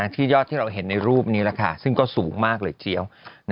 ยอดที่เราเห็นในรูปนี้ซึ่งก็สูงมากเลยเจี๊ยว